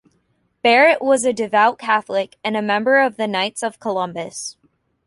Barrett was a devout Catholic, and a member of the Knights of Columbus.